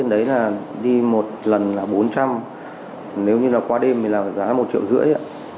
nếu như là đi một lần là bốn trăm linh nếu như là qua đêm thì là giá một triệu rưỡi